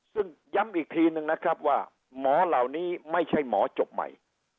ซึ่งย้ำอีกทีนึงนะครับว่าหมอเหล่านี้ไม่ใช่หมอจบใหม่